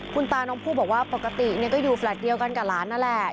คุณตาน้องผู้บอกว่าปกติก็อยู่แลตเดียวกันกับหลานนั่นแหละ